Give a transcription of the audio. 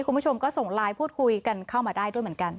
คุณผู้ชมก็ส่งไลน์พูดคุยกันเข้ามาได้ด้วยเหมือนกัน